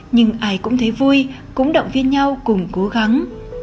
nhưng ai cũng thấy vui cũng động viên nhau cùng cố gắng